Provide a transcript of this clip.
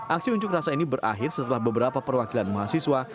aksi unjuk rasa ini berakhir setelah beberapa perwakilan mahasiswa